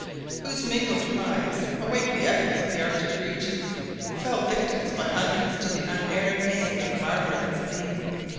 whose mingled cries awake the echoes of the Arctic regions, fell victims by hundreds to the unerring aim of Marbre and Sabine.